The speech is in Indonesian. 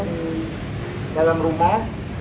di dalam rumah